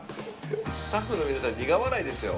スタッフの皆さん苦笑いですよ。